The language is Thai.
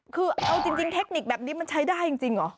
คือเอาจริงเทคนิคแบบนี้มันใช้ได้จริงเหรอ